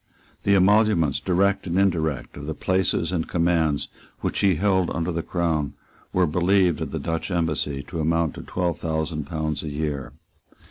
The emoluments, direct and indirect, of the places and commands which he held under the Crown were believed at the Dutch Embassy to amount to twelve thousand pounds a year.